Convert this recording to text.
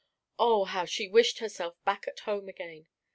Oh, how she wished herself back at home again.